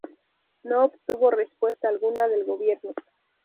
No obtuvo respuesta alguna del gobierno.